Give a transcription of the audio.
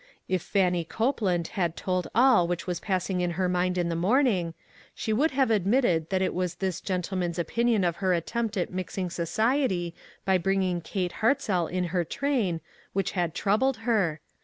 If Fan nie Copeland had told all which was pass ing in her mind in the morning, she would have admitted that it was this gentleman's opinion of her attempt at mixing society by bringing Kate Hartzell in her train, which had troubled her.